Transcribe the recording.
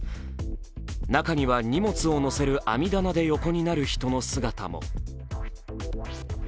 中には、荷物を載せる網棚で横になる人の姿も。